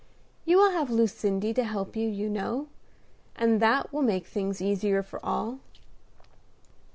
"You will have Lucindy to help you, you know; and that will make things easier for all."